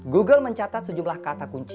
google mencatat sejumlah kata kunci